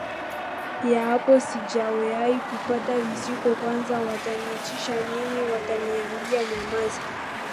ya hapo sijawahi kupata vitishoKwanza watanitishia nini Wataniambia nyamaza tutakuuaHata hivyo alisema